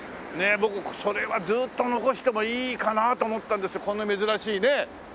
僕それはずっと残してもいいかなと思ったんですがこんな珍しいね。